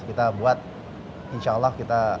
kita buat insya allah kita